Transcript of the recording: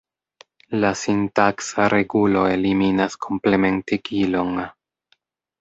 La sintaksa regulo eliminas komplementigilon.